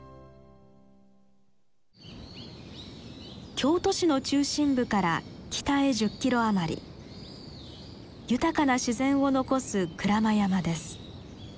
京都市の中心部から北へ１０キロ余り豊かな自然を残す鞍馬山です。